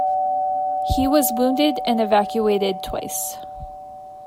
He was wounded and evacuated twice.